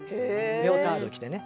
レオタード着てね。